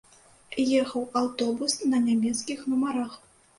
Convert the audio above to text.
Ехаў аўтобус на нямецкіх нумарах.